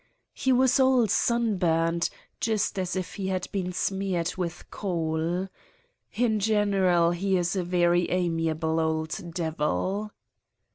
He was all sunburned, just as if he had been smeared with coal. In general, he is a very amiable old Devil.